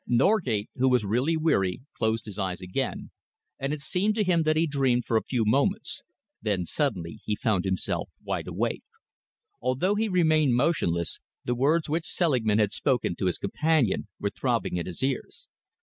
Norgate, who was really weary, closed his eyes again, and it seemed to him that he dreamed for a few moments. Then suddenly he found himself wide awake. Although he remained motionless, the words which Selingman had spoken to his companion were throbbing in his ears.